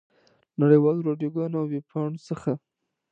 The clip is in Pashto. نړۍ والو راډیوګانو او ویبپاڼو څخه.